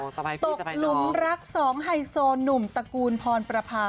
ตกหลุมรักสองไฮโซหนุ่มตระกูลพรประพา